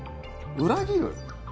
裏切る？